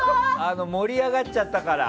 盛り上がっちゃったから。